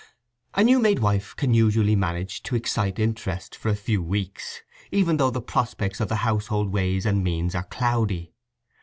A new made wife can usually manage to excite interest for a few weeks, even though the prospects of the household ways and means are cloudy.